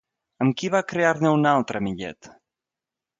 Amb qui va crear-ne una altra Millet?